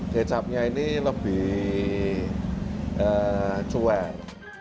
kecapnya ini lebih cuai